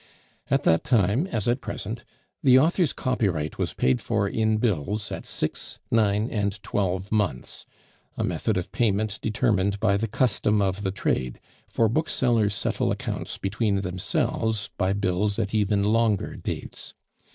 At that time, as at present, the author's copyright was paid for in bills at six, nine, and twelve months a method of payment determined by the custom of the trade, for booksellers settle accounts between themselves by bills at even longer dates.